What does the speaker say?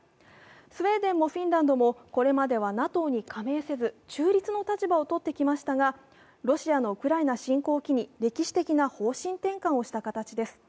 スウェーデンもフィンランドもこれまではＮＡＴＯに加盟せず中立の立場をとってきましたがロシアのウクライナ侵攻を機に歴史的な方針転換をした形です。